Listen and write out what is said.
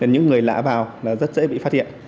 những người lạ vào rất dễ bị phát hiện